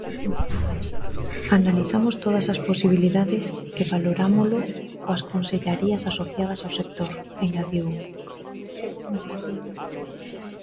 "Analizamos todas as posibilidades e valorámolo coas consellarías asociadas ao sector", engadiu.